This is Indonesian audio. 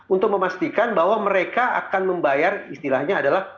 untuk memastikan bahwa mereka akan membayar istilahnya adalah